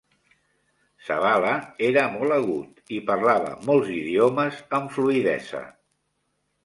Zavala era molt agut i parlava molts idiomes amb fluïdesa.